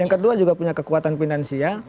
yang kedua juga punya kekuatan finansial